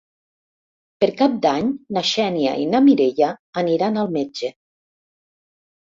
Per Cap d'Any na Xènia i na Mireia aniran al metge.